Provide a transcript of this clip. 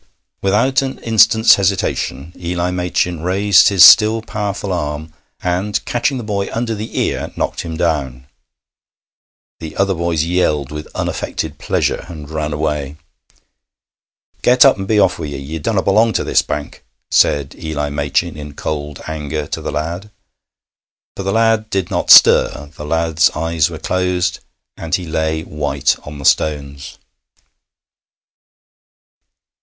Without and instant's hesitation Eli Machin raised his still powerful arm, and, catching the boy under the ear, knocked him down. The other boys yelled with unaffected pleasure and ran away. 'Get up, and be off wi' ye. Ye dunna belong to this bank,' said Eli Machin in cold anger to the lad. But the lad did not stir; the lad's eyes were closed, and he lay white on the stones.